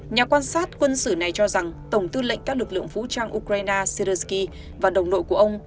nhà quan sát quân sử này cho rằng tổng tư lệnh các lực lượng phũ trang ukraine serezki và đồng đội của ông